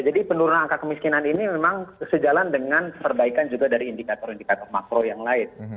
jadi penurunan angka kemiskinan ini memang sejalan dengan perbaikan juga dari indikator indikator makro yang lain